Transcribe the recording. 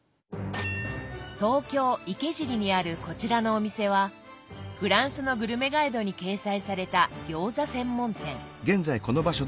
東京・池尻にあるこちらのお店はフランスのグルメガイドに掲載された餃子専門店。